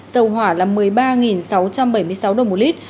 dầu hỏa là một mươi ba sáu trăm bảy mươi sáu đồng một lít